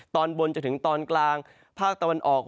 ตอนบนจนถึงตอนกลางภาคตะวันออก